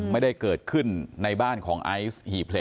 ไม่ได้เกิดขึ้นในบ้านของไอซ์หี่เพล